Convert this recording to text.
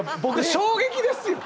衝撃です。